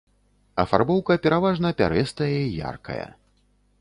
Афарбоўка пераважна пярэстая і яркая.